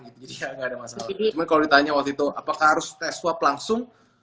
cuma kalau ditanya waktu itu apakah harus tes swab langsung